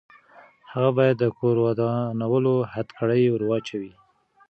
هغه باید د کور ودانولو هتکړۍ ورواچوي.